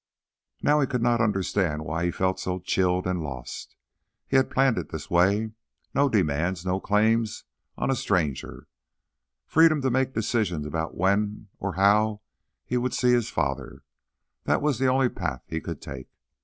Now he could not understand why he felt so chilled and lost. He had planned it this way—no demands, no claims on a stranger, freedom to make the decision of when or how he would see his father; that was the only path he could take.